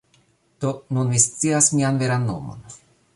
Do nun vi scias mian veran nomon.